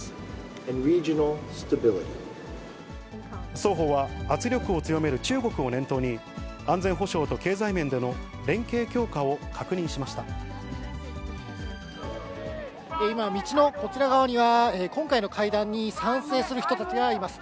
双方は圧力を強める中国を念頭に、安全保障と経済面での連携強化を今、道のこちら側には、今回の会談に賛成する人たちがいます。